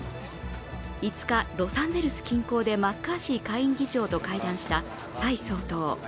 ５日、ロサンゼルス近郊でマッカーシー下院議長と会談した蔡総統。